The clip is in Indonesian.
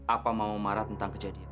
apa mau marah tentang kejadian